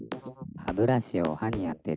「歯ブラシを歯にあてる」